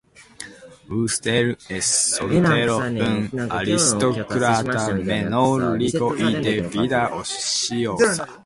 Wooster es soltero, un aristócrata menor, rico y de vida ociosa.